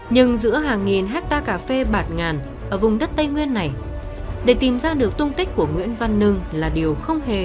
nhưng giữa hàng nghìn hecta cà phê bạt ngàn ở vùng đất tây nguyên này để tìm ra được tung kích của nguyễn văn nưng là điều không hề đơn giản